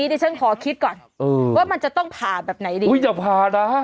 อู้วที่จะพาได้มั้ย